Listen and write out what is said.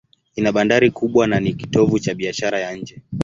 Ina bandari kubwa na ni kitovu cha biashara ya nje.